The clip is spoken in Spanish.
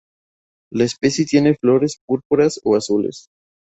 La especie tiene flores púrpuras o azules.